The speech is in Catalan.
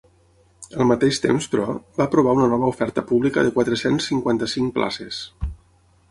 Al mateix temps, però, va aprovar una nova oferta pública de quatre-cents cinquanta-cinc places.